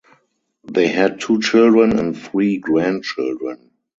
They had two children and three grand children.